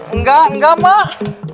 enggak enggak mak